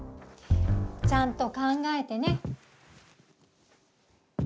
ちゃんと考えてね。